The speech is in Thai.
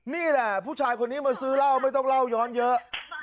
นี่แหละผู้ชายคนนี้มาซื้อเหล้าไม่ต้องเล่าย้อนเยอะ